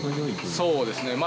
そうですね。